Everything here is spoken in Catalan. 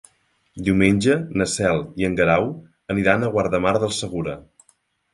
Diumenge na Cel i en Guerau aniran a Guardamar del Segura.